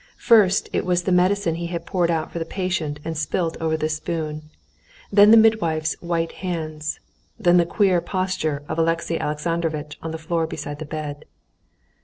First it was the medicine he had poured out for the patient and spilt over the spoon, then the midwife's white hands, then the queer posture of Alexey Alexandrovitch on the floor beside the bed.